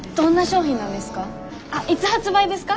あっいつ発売ですか？